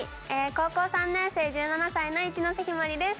高校３年生１７歳の一ノ瀬陽鞠です